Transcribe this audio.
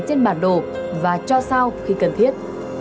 các tiệm thuốc đăng ký bán đồ và cho sao khi cần thiết